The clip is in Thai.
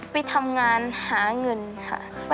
ไปทำงานหาเงินค่ะ